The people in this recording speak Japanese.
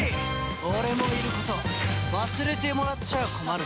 俺もいること忘れてもらっちゃあ困るな。